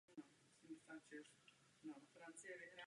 Pokračující milostná aféra se Smlouvou je aktem politické nekrofilie.